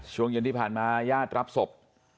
ช่วงเย็นที่ผ่านมายทรัพย์สบ